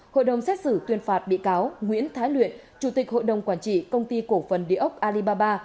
hội đồng xét xử tuyên phạt bị cáo nguyễn thái luyện chủ tịch hội đồng quản trị công ty cổ phần địa ốc alibaba